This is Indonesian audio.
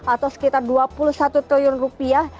atau sekitar dua puluh satu triliun rupiah